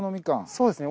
そうですね。